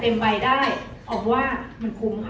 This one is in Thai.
อ๋อแต่มีอีกอย่างนึงค่ะ